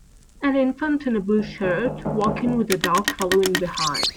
An infant in a blue shirt walking with the dog following behind.